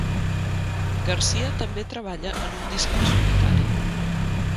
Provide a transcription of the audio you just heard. Garcia també treballa en un disc en solitari.